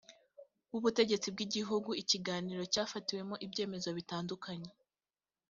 wubutegetsi bw igihugu ikiganiro cyafatiwemo ibyemezo bitandukanye